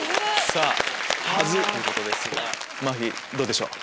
さぁ「恥ずっ！」ということですがまっひーどうでしょう？